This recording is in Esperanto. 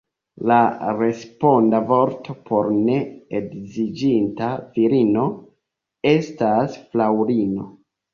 La responda vorto por ne edziĝinta virino estas fraŭlino.